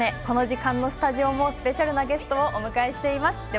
この時間のスタジオもスペシャルなゲストをお迎えしています。